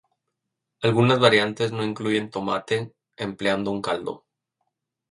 Algunas variantes no incluyen tomate, empleando un caldo.